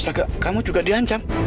astaga kamu juga dihancam